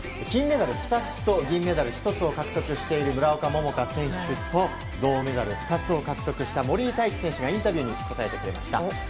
金メダル２つと銀メダル１つを獲得している村岡桃佳選手と銅メダル２つを獲得した森井大輝選手がインタビューに答えてくれました。